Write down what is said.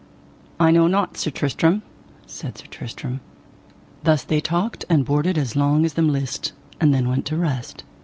I know not Sir Tristram, said Tristram. Thus they talked and bourded as long as them list, and then went to rest.